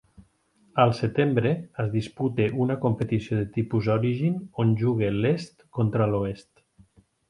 Al setembre es disputa una competició de tipus Origin on juga l'Est contra l'Oest.